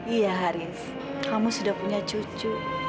iya haris kamu sudah punya cucu